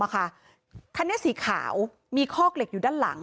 คันนี้สีขาวมีคอกเหล็กอยู่ด้านหลัง